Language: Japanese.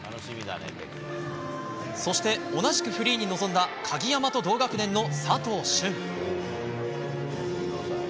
そして、同じくフリーに臨んだ鍵山と同学年の佐藤駿。